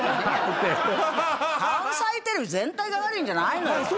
関西テレビ全体が悪いんじゃないのよ。